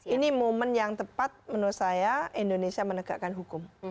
ini momen yang tepat menurut saya indonesia menegakkan hukum